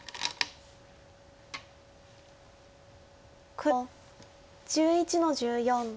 黒１１の十四。